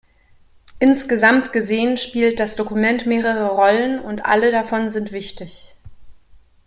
Insgesamt gesehen spielt das Dokument mehrere Rollen und alle davon sind wichtig.